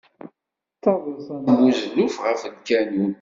D taḍsa n buzelluf ɣef lkanun.